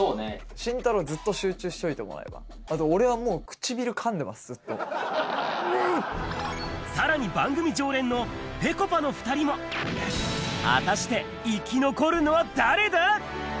慎太郎、ずっと集中してもらえば、俺はもう、唇かんでます、さらに、番組常連のぺこぱの２人は、果たして生き残るのは誰だ？